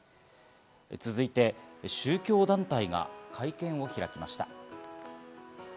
続いて、宗教団体が会見を開きました。